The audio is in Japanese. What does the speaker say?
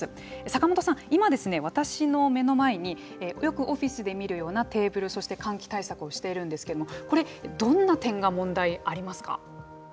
坂本さん、今私の目の前によくオフィスで見るようなテーブル、そして換気対策をしているんですけどもこれどんな点が問題ありますか。